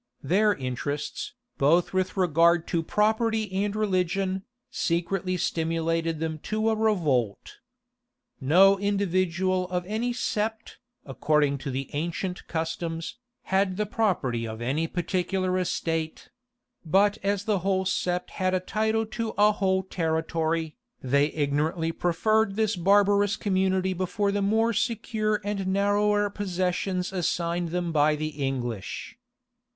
[] Their interests, both with regard to property and religion, secretly stimulated them to a revolt. No individual of any sept, according to the ancient customs, had the property of any particular estate; but as the whole sept had a title to a whole territory, they ignorantly preferred this barbarous community before the more secure and narrower possessions assigned them by the English.